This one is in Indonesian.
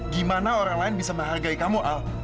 gimana orang lain bisa menghargai kamu